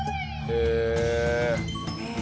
へえ。